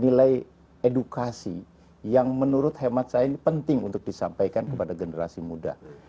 nilai edukasi yang menurut hemat saya ini penting untuk disampaikan kepada generasi muda